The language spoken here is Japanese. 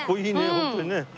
本当にね。